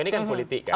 ini kan politik kan